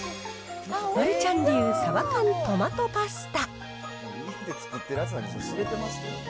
丸ちゃん流サバ缶トマトパスタ。